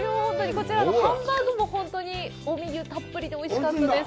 こちら、ハンバーグも本当に近江牛たっぷりでおいしかったです。